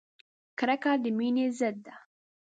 کرکه د مینې ضد ده!